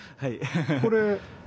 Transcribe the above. これ。